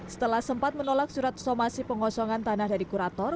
setelah sempat menolak surat somasi pengosongan tanah dari kurator